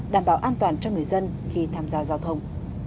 đảm bảo an toàn cho người dân khi tham gia giao thông